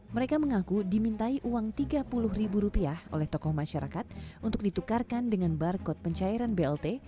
mereka mengaku dimintai uang tiga puluh ribu rupiah oleh tokoh masyarakat untuk ditukarkan dengan barcode pencairan blt